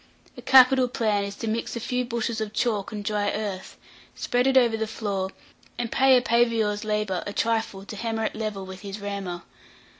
A capital plan is to mix a few bushels of chalk and dry earth, spread it over the floor, and pay a paviour's labourer a trifle to hammer it level with his rammer.